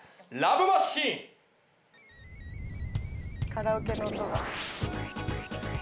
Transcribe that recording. カラオケの音が。